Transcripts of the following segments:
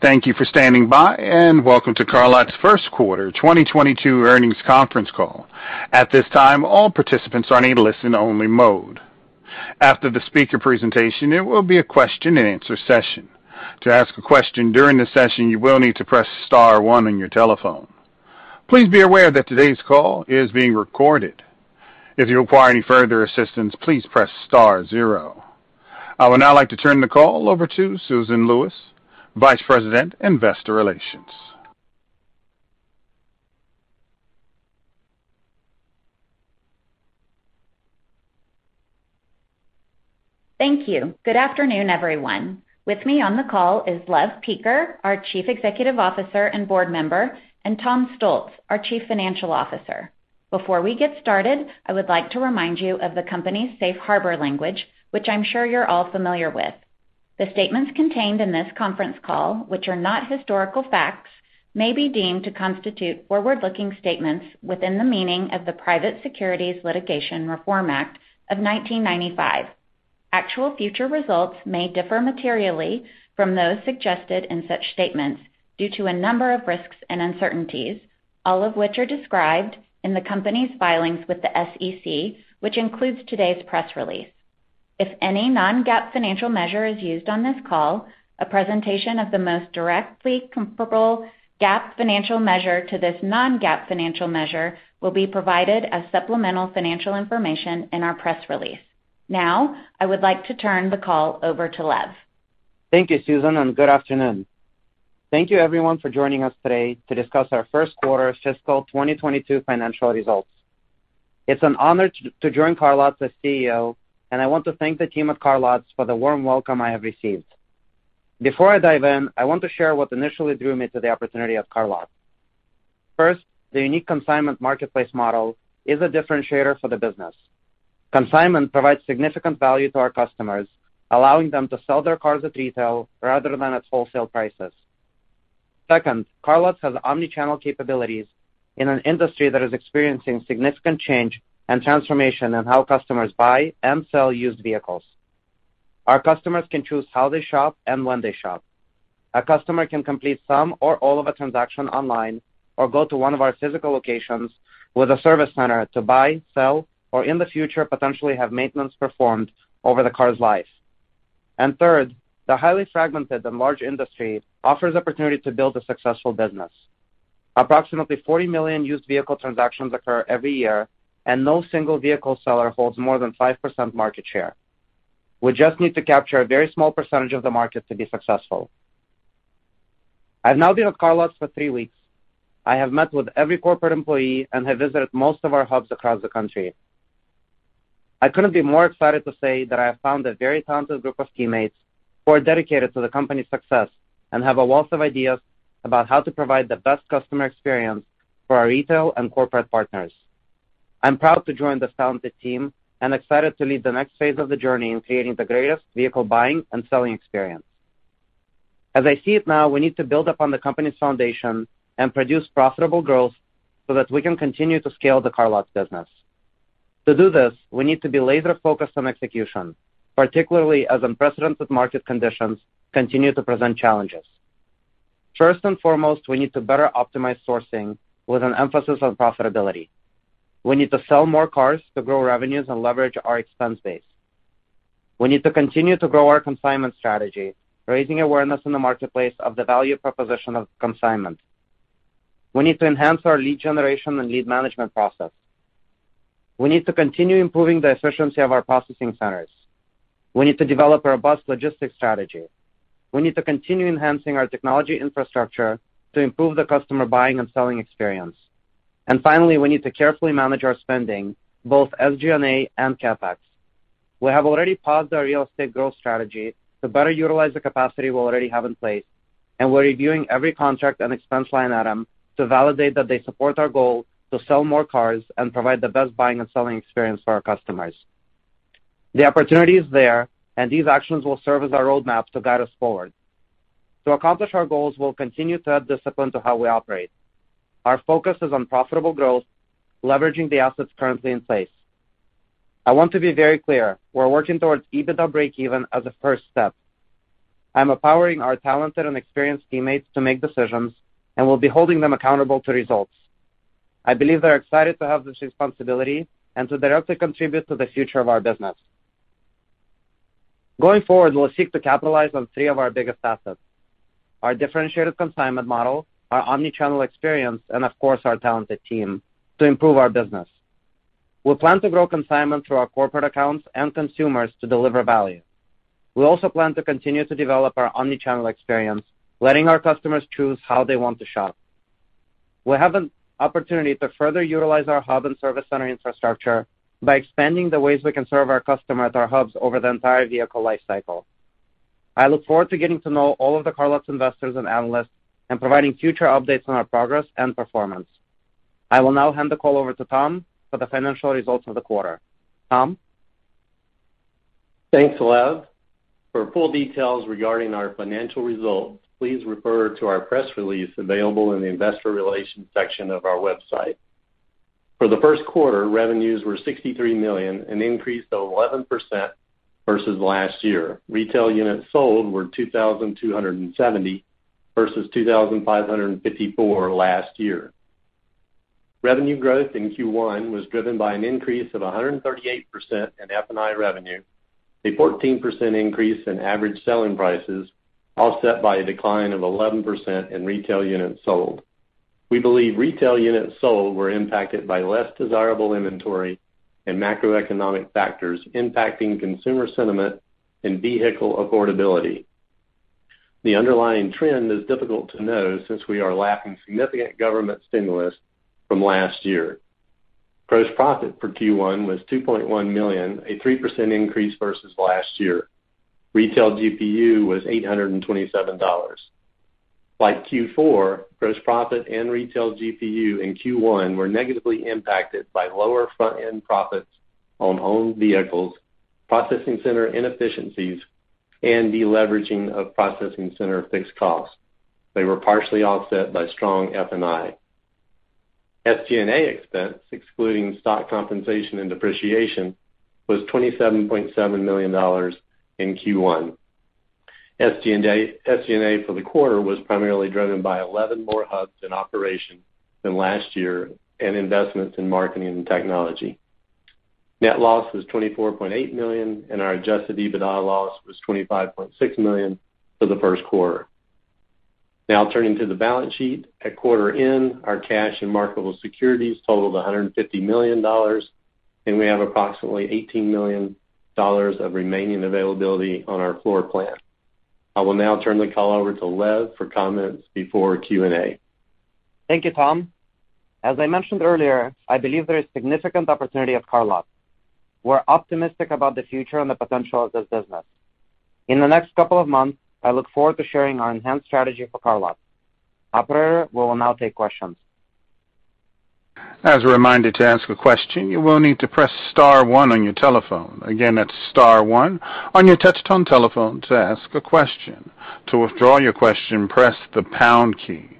Thank you for standing by, and welcome to CarLotz's first quarter 2022 earnings conference call. At this time, all participants are in a listen-only mode. After the speaker presentation, there will be a question and answer session. To ask a question during the session, you will need to press star one on your telephone. Please be aware that today's call is being recorded. If you require any further assistance, please press Star zero. I would now like to turn the call over to Susan Lewis, Vice President, Investor Relations. Thank you. Good afternoon, everyone. With me on the call is Lev Peker, our Chief Executive Officer and Board Member, and Tom Stultz, our Chief Financial Officer. Before we get started, I would like to remind you of the company's safe harbor language, which I'm sure you're all familiar with. The statements contained in this conference call, which are not historical facts, may be deemed to constitute forward-looking statements within the meaning of the Private Securities Litigation Reform Act of 1995. Actual future results may differ materially from those suggested in such statements due to a number of risks and uncertainties, all of which are described in the company's filings with the SEC, which includes today's press release. If any non-GAAP financial measure is used on this call, a presentation of the most directly comparable GAAP financial measure to this non-GAAP financial measure will be provided as supplemental financial information in our press release. Now, I would like to turn the call over to Lev. Thank you, Susan, and good afternoon. Thank you everyone for joining us today to discuss our first quarter fiscal 2022 financial results. It's an honor to join CarLotz as CEO, and I want to thank the team at CarLotz for the warm welcome I have received. Before I dive in, I want to share what initially drew me to the opportunity at CarLotz. First, the unique consignment marketplace model is a differentiator for the business. Consignment provides significant value to our customers, allowing them to sell their cars at retail rather than at wholesale prices. Second, CarLotz has omni-channel capabilities in an industry that is experiencing significant change and transformation in how customers buy and sell used vehicles. Our customers can choose how they shop and when they shop. A customer can complete some or all of a transaction online or go to one of our physical locations with a service center to buy, sell, or in the future, potentially have maintenance performed over the car's life. Third, the highly fragmented and large industry offers opportunity to build a successful business. Approximately 40 million used vehicle transactions occur every year, and no single vehicle seller holds more than 5% market share. We just need to capture a very small percentage of the market to be successful. I've now been at CarLotz for three weeks. I have met with every corporate employee and have visited most of our hubs across the country. I couldn't be more excited to say that I have found a very talented group of teammates who are dedicated to the company's success and have a wealth of ideas about how to provide the best customer experience for our retail and corporate partners. I'm proud to join this talented team and excited to lead the next phase of the journey in creating the greatest vehicle buying and selling experience. As I see it now, we need to build upon the company's foundation and produce profitable growth so that we can continue to scale the CarLotz's business. To do this, we need to be laser-focused on execution, particularly as unprecedented market conditions continue to present challenges. First and foremost, we need to better optimize sourcing with an emphasis on profitability. We need to sell more cars to grow revenues and leverage our expense base. We need to continue to grow our consignment strategy, raising awareness in the marketplace of the value proposition of consignment. We need to enhance our lead generation and lead management process. We need to continue improving the efficiency of our processing centers. We need to develop a robust logistics strategy. We need to continue enhancing our technology infrastructure to improve the customer buying and selling experience. Finally, we need to carefully manage our spending, both SG&A and CapEx. We have already paused our real estate growth strategy to better utilize the capacity we already have in place, and we're reviewing every contract and expense line item to validate that they support our goal to sell more cars and provide the best buying and selling experience for our customers. The opportunity is there, and these actions will serve as our roadmaps to guide us forward. To accomplish our goals, we'll continue to add discipline to how we operate. Our focus is on profitable growth, leveraging the assets currently in place. I want to be very clear. We're working towards EBITDA breakeven as a first step. I'm empowering our talented and experienced teammates to make decisions, and we'll be holding them accountable to results. I believe they're excited to have this responsibility and to directly contribute to the future of our business. Going forward, we'll seek to capitalize on three of our biggest assets, our differentiated consignment model, our omni-channel experience, and of course, our talented team to improve our business. We plan to grow consignment through our corporate accounts and consumers to deliver value. We also plan to continue to develop our omni-channel experience, letting our customers choose how they want to shop. We have an opportunity to further utilize our hub and service center infrastructure by expanding the ways we can serve our customer at our hubs over the entire vehicle life cycle. I look forward to getting to know all of the CarLotz's investors and analysts and providing future updates on our progress and performance. I will now hand the call over to Tom for the financial results for the quarter. Tom? Thanks, Lev. For full details regarding our financial results, please refer to our press release available in the investor relations section of our website. For the first quarter, revenues were $63 million, an increase of 11% versus last year. Retail units sold were 2,270 versus 2,554 last year. Revenue growth in Q1 was driven by an increase of 138% in F&I revenue, a 14% increase in average selling prices, offset by a decline of 11% in retail units sold. We believe retail units sold were impacted by less desirable inventory and macroeconomic factors impacting consumer sentiment and vehicle affordability. The underlying trend is difficult to know since we are lacking significant government stimulus from last year. Gross profit for Q1 was $2.1 million, a 3% increase versus last year. Retail GPU was $827. Like Q4, gross profit and retail GPU in Q1 were negatively impacted by lower front-end profits on owned vehicles, processing center inefficiencies, and deleveraging of processing center fixed costs. They were partially offset by strong F&I. SG&A expense, excluding stock compensation and depreciation, was $27.7 million in Q1. SG&A for the quarter was primarily driven by 11 more hubs in operation than last year and investments in marketing and technology. Net loss was $24.8 million, and our adjusted EBITDA loss was $25.6 million for the first quarter. Now turning to the balance sheet. At quarter end, our cash and marketable securities totaled $150 million, and we have approximately $18 million of remaining availability on our floor plan. I will now turn the call over to Lev for comments before Q&A. Thank you, Tom. As I mentioned earlier, I believe there is significant opportunity at CarLotz. We're optimistic about the future and the potential of this business. In the next couple of months, I look forward to sharing our enhanced strategy for CarLotz. Operator, we will now take questions. As a reminder, to ask a question, you will need to press star one on your telephone. Again, that's star one on your touch-tone telephone to ask a question. To withdraw your quesion, press the pound key.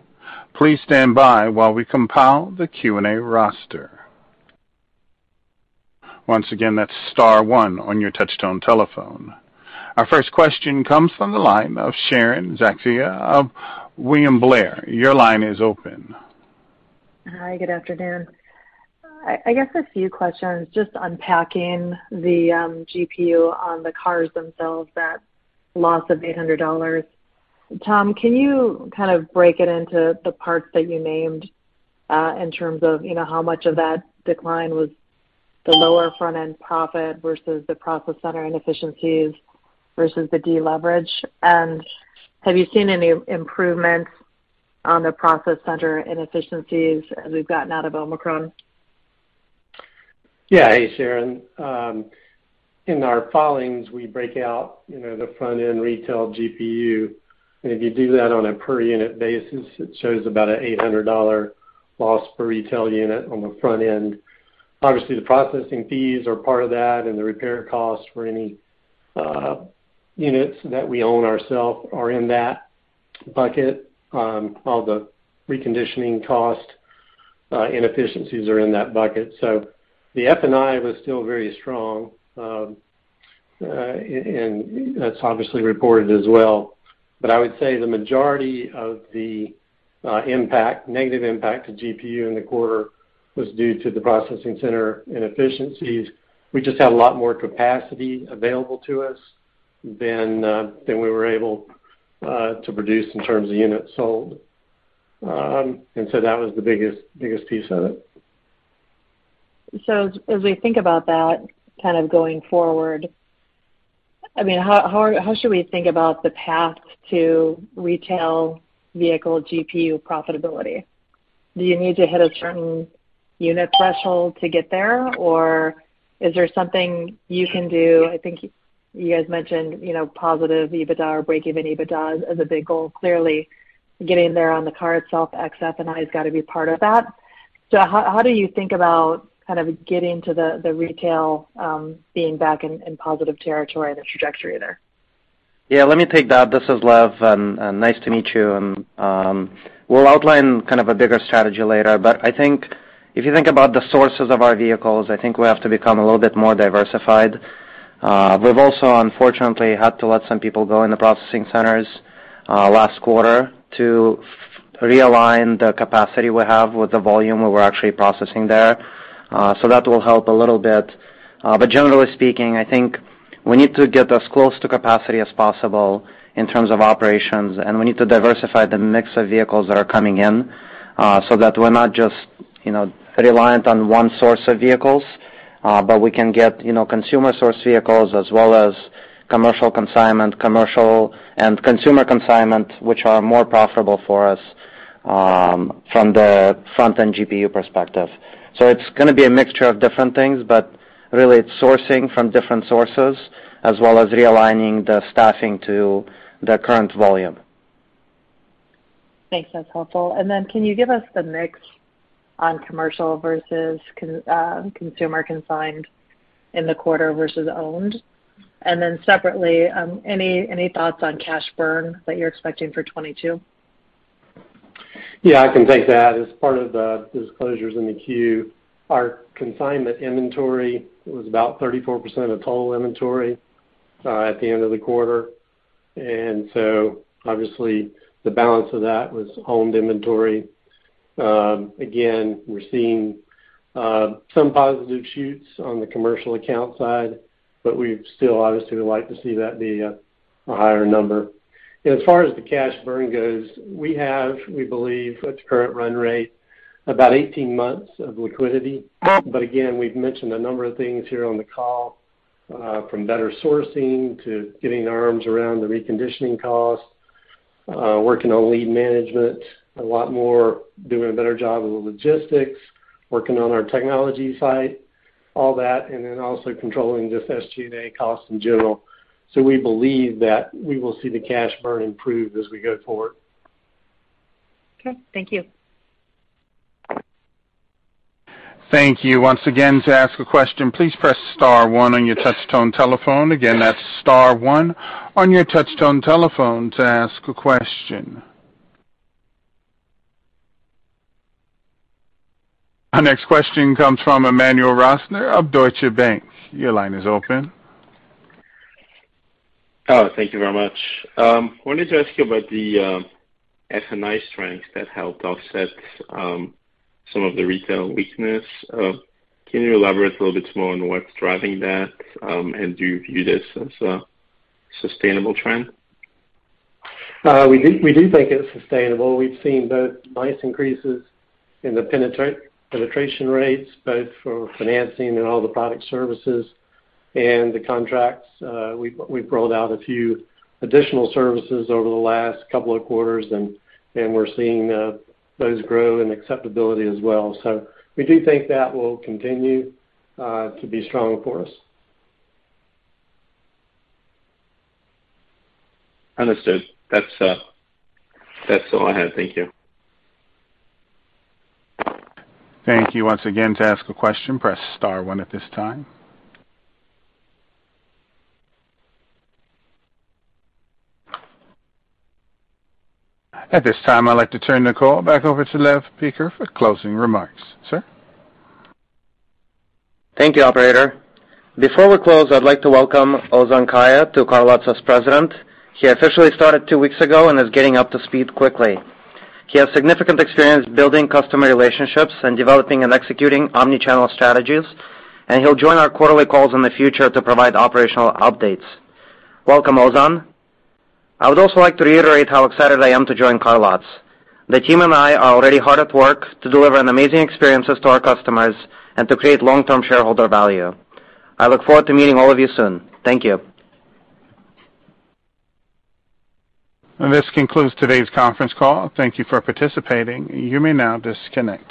Please stand by while we compile the Q&A roster. Once again, that's star one on your touch-tone telephone. Our first question comes from the line of Sharon Zackfia of William Blair. Your line is open. Hi, good afternoon. I guess a few questions just unpacking the GPU on the cars themselves, that loss of $800. Tom, can you kind of break it into the parts that you named in terms of, you know, how much of that decline was the lower front-end profit versus the process center inefficiencies versus the deleverage? Have you seen any improvements on the process center inefficiencies as we've gotten out of Omicron? Yeah. Hey, Sharon. In our filings, we break out, you know, the front-end retail GPU. If you do that on a per unit basis, it shows about an $800 loss per retail unit on the front end. Obviously, the processing fees are part of that and the repair costs for any units that we own ourself are in that bucket. All the reconditioning cost inefficiencies are in that bucket. The F&I was still very strong. And that's obviously reported as well. I would say the majority of the impact, negative impact to GPU in the quarter was due to the processing center inefficiencies. We just had a lot more capacity available to us than we were able to produce in terms of units sold. That was the biggest piece of it. As we think about that kind of going forward, I mean, how should we think about the path to retail vehicle GPU profitability? Do you need to hit a certain unit threshold to get there, or is there something you can do? I think you guys mentioned, you know, positive EBITDA or break even EBITDA as a big goal. Clearly, getting there on the car itself, ex F&I, has got to be part of that. How do you think about kind of getting to the retail being back in positive territory and the trajectory there? Yeah, let me take that. This is Lev, and nice to meet you. We'll outline kind of a bigger strategy later. I think if you think about the sources of our vehicles, I think we have to become a little bit more diversified. We've also, unfortunately, had to let some people go in the processing centers last quarter to realign the capacity we have with the volume we were actually processing there. That will help a little bit. Generally speaking, I think we need to get as close to capacity as possible in terms of operations, and we need to diversify the mix of vehicles that are coming in, so that we're not just, you know, reliant on one source of vehicles, but we can get, you know, consumer source vehicles as well as commercial and consumer consignment, which are more profitable for us, from the front-end GPU perspective. It's gonna be a mixture of different things, but really it's sourcing from different sources as well as realigning the staffing to the current volume. Thanks. That's helpful. Can you give us the mix on commercial versus consumer consigned in the quarter versus owned? Separately, any thoughts on cash burn that you're expecting for 2022? Yeah, I can take that. As part of the disclosures in the Q, our consignment inventory was about 34% of total inventory at the end of the quarter. Obviously the balance of that was owned inventory. Again, we're seeing some positive signs on the commercial account side, but we still obviously would like to see that be a higher number. As far as the cash burn goes, we have, we believe, at the current run rate, about 18 months of liquidity. Again, we've mentioned a number of things here on the call, from better sourcing to getting our arms around the reconditioning costs, working on lead management a lot more, doing a better job with logistics, working on our technology side, all that, and then also controlling just SG&A costs in general. We believe that we will see the cash burn improve as we go forward. Okay. Thank you. Thank you. Once again, to ask a question, please press star one on your touch tone telephone. Again, that's star one on your touch tone telephone to ask a question. Our next question comes from Emmanuel Rosner of Deutsche Bank. Your line is open. Oh, thank you very much. Wanted to ask you about the F&I strength that helped offset some of the retail weakness. Can you elaborate a little bit more on what's driving that? Do you view this as a sustainable trend? We do think it's sustainable. We've seen both nice increases in the penetration rates, both for financing and all the product services and the contracts. We've rolled out a few additional services over the last couple of quarters and we're seeing those grow in acceptability as well. We do think that will continue to be strong for us. Understood. That's all I had. Thank you. Thank you. Once again, to ask a question, press star one at this time. At this time, I'd like to turn the call back over to Lev Peker for closing remarks. Sir? Thank you, operator. Before we close, I'd like to welcome Ozan Kaya to CarLotz as president. He officially started two weeks ago and is getting up to speed quickly. He has significant experience building customer relationships and developing and executing omni-channel strategies, and he'll join our quarterly calls in the future to provide operational updates. Welcome, Ozan. I would also like to reiterate how excited I am to join CarLotz. The team and I are already hard at work to deliver an amazing experiences to our customers and to create long-term shareholder value. I look forward to meeting all of you soon. Thank you. This concludes today's conference call. Thank you for participating. You may now disconnect.